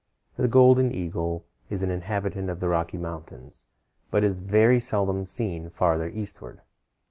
The golden eagle is an inhabitant of the Rocky Mountains, but is very seldom seen farther eastward.